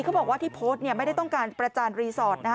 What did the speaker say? เขาบอกว่าที่โพสต์เนี่ยไม่ได้ต้องการประจานรีสอร์ทนะฮะ